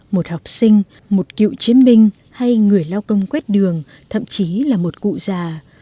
một học sinh một cựu chiến binh hay người lao công quét đường thậm chí là một cụ già